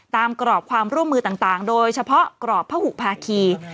กรอบความร่วมมือต่างโดยเฉพาะกรอบพระหุภาคี